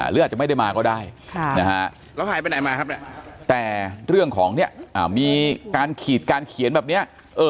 เลือดจะไม่ได้มาก็ได้แต่เรื่องของเนี่ยมีการขีดการเขียนแบบเนี้ย